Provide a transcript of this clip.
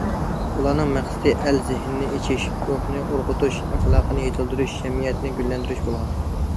ئۇلارنىڭ مەقسىتى ئەقىل- زېھىننى ئېچىش، روھنى ئۇرغۇتۇش، ئەخلاقنى يېتىلدۈرۈش، جەمئىيەتنى گۈللەندۈرۈش بولغان.